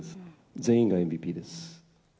全員がＭＶＰです。